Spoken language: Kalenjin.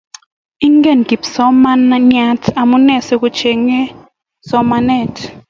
Ingen kipsomananiat amune asikuchenye somanet